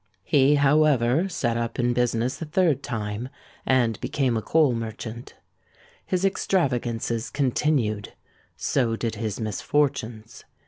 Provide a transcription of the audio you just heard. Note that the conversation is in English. He, however, set up in business a third time, and became a coal merchant. His extravagances continued: so did his misfortunes.